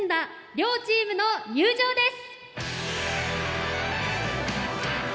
両チームの入場です！